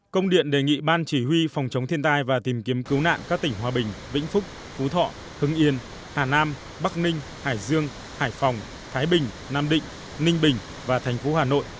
công điện đề nghị ban chỉ huy phòng chống thiên tai và tìm kiếm cứu nạn các tỉnh hòa bình vĩnh phúc phú thọ hưng yên hà nam bắc ninh hải dương hải phòng thái bình nam định ninh bình và thành phố hà nội